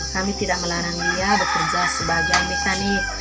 kami tidak melarang dia bekerja sebagai mekanik